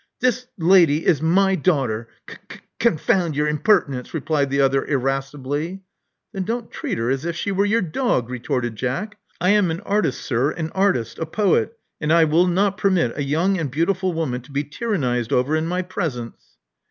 *' This lady is my daughter, k — k — confound your impertinence," replied the other irascibly. Then don't treat her as if she were your dog," retorted Jack. I am an artist, sir — an artist — a poet; and I will not permit a young and beautiful woman to be tyrannized over in my presence."